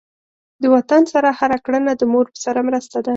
د وطن سره هر کړنه د مور سره مرسته ده.